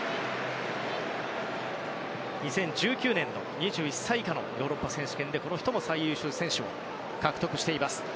２０１９年２１歳以下のヨーロッパ選手権でこの人も最優秀選手を獲得しています。